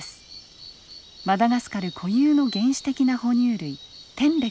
マダガスカル固有の原始的な哺乳類テンレックです。